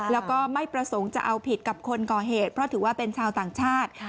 แล้วก็ไม่ประสงค์จะเอาผิดกับคนก่อเหตุเพราะถือว่าเป็นชาวต่างชาติ